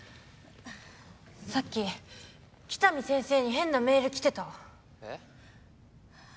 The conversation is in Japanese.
さっき喜多見先生に変なメール来てた・えっ？